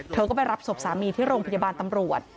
เธอก็ไปรับศพสามีที่โรงพยาบาลตำรวจ